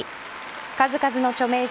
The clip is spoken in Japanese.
数々の著名人